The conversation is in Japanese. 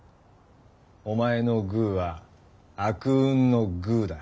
おまえのグーは「悪運のグー」だ！